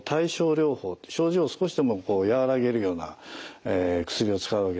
症状を少しでも和らげるような薬を使うわけですね。